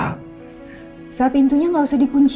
elsa pintunya gak usah dikunci ya